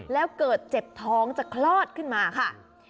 แล้วเกิดเจ็บท้องจะคลอดขึ้นมาค่ะ